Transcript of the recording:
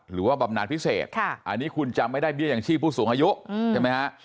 หรือว่าบำนานพิเศษอันนี้คุณจำไม่ได้เบี้ยอย่างชีพผู้สูงอายุ